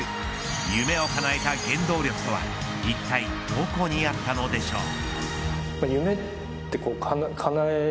夢をかなえた原動力とは一体どこにあったのでしょうか。